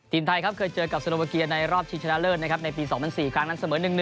ทีมไทยครับเคยเจอกับโซโลบาเกียในรอบชิงชนะเลิศนะครับในปี๒๐๐๔ครั้งนั้นเสมอ๑๑